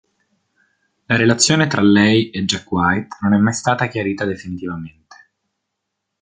La relazione tra lei e Jack White non è mai stata chiarita definitivamente.